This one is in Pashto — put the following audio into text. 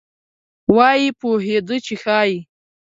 وایي پوهېده چې ښایي.